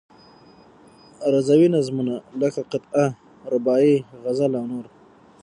عروضي نظمونه لکه قطعه، رباعي، غزل او نور.